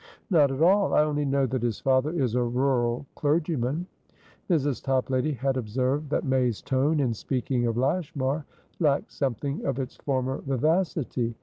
"Not at all. I only know that his father is a rural clergyman." Mrs. Toplady had observed that May's tone in speaking of Lashmar lacked something of its former vivacity.